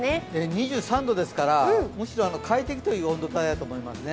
２３度ですから、快適という温度帯だと思いますね。